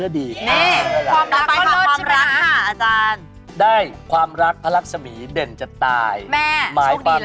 เราเนี่ยสบายใช่ไหมความดีชนะทุกสิ่ง